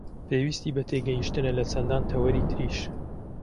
پێویستی بە تێگەیشتنە لە چەندان تەوەری تریش